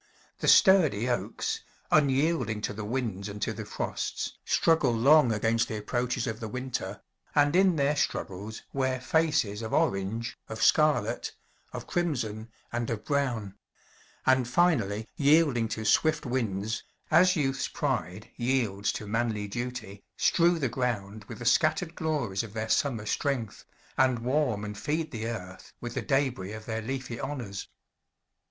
The sturdy oaks, unyielding to the winds and to the frosts, struggle long against the approaches of the winter, and in their struggles wear faces of orange, of scarlet, of crimson, and of brown; and finally, yielding to swift winds, as youth's pride yields to manly duty, strew the ground with the scattered glories of their summer strength, and warm and feed the earth with the débris of their leafy honors.